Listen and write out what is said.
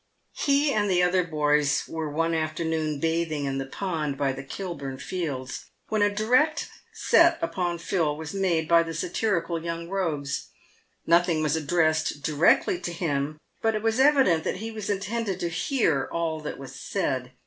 He and the other boys were one afternoon bathing in the pond by the Kilburn fields, when a direct set upon Phil was made by the satirical young rogues. Nothing was addressed directly to him, but it was evident that he was intended to hear all that was said.